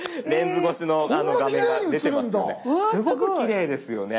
すごくきれいですよね。